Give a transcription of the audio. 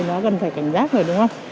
nó gần phải cảnh giác rồi đúng không